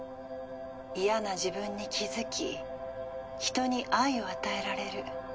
嫌な自分に気付き人に愛を与えられる。